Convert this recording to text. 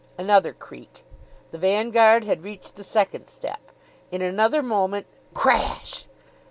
Another creak.... The vanguard had reached the second step.... In another moment CRASH!